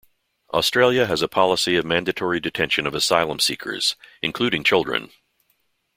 Australia has a policy of mandatory detention of asylum seekers, including children.